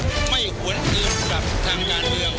ผมไม่หวนอื่นกับทางงานเดียว